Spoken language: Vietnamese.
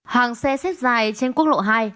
hàng xe xét dài trên quốc lộ hai